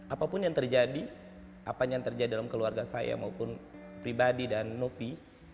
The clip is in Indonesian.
apapun yang terjadi apanya yang terjadi dalam keluarga saya maupun pribadi dan novi